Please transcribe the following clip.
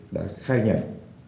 đã khai nhận